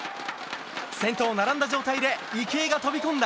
先頭、並んだ状態で池江が飛び込んだ！